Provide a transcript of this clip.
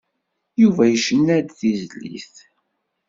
Yuba yecna-d tizlit.